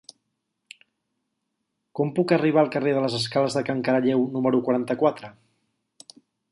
Com puc arribar al carrer de les Escales de Can Caralleu número quaranta-quatre?